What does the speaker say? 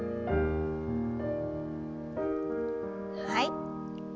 はい。